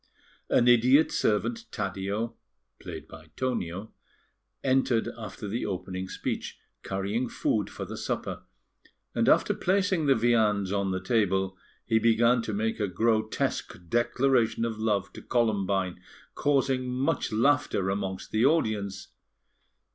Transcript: An idiot servant, Taddeo (played by Tonio), entered after the opening speech, carrying food for the supper; and after placing the viands on the table, he began to make a grotesque declaration of love to Columbine, causing much laughter amongst the audience.